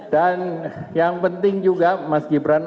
dan yang penting juga mas gibran